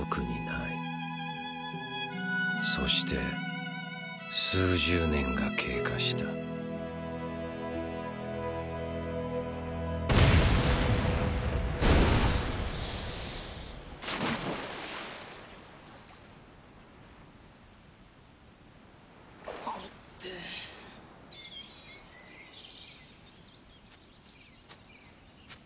そして数十年が経過した痛エェ。